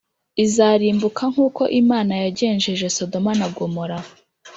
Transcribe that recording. izarimbuka nk’uko Imana yagenjeje Sodoma na Gomora.